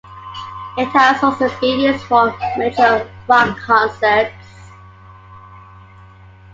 It has also been used for major rock concerts.